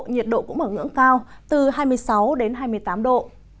nhiệt độ cũng ở ngưỡng cao từ hai mươi sáu đến hai mươi tám độ